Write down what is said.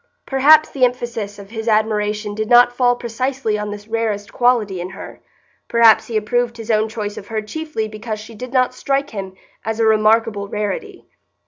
Perhaps the emphasis of his admiration did not fall precisely on this rarest quality in her; perhaps he approved his own choice of her chiefly because she did not strike him as a remarkable rarity.